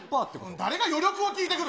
誰が余力を聞いてくる。